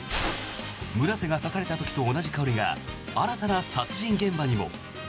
村瀬が刺された時と同じ香りが新たな殺人現場にも。